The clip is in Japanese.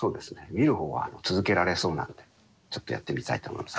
見るほうは続けられそうなんでちょっとやってみたいと思います。